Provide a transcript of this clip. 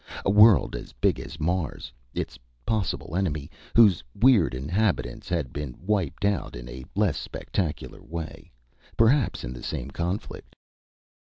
A world as big as Mars, its possible enemy whose weird inhabitants had been wiped out, in a less spectacular way, perhaps in the same conflict?